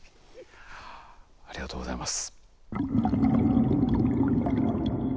ありがとうございます。